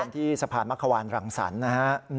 ที่สะพานมะขวานรังสรรค์นะฮะ